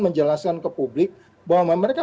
menjelaskan ke publik bahwa mereka